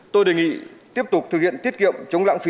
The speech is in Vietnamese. tôi đề nghị tiếp tục thực hiện tiết kiệm chống lãng phí